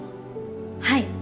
はい。